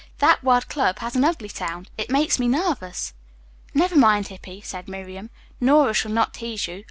That word club has an ugly sound. It makes me nervous." "Never mind, Hippy," said Miriam. "Nora shall not tease you.